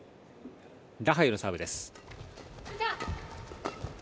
ラハユのサーブです。